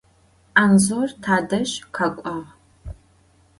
Anzor tadej khek'uağ.